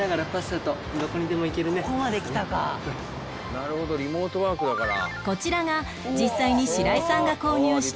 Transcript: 「なるほどリモートワークだから」